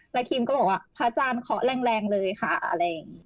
แล้วทีมก็บอกว่าพระอาจารย์ขอแรงเลยค่ะอะไรอย่างนี้